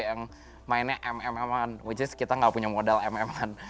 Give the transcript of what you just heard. yang mainnya mm an which is kita gak punya modal mm an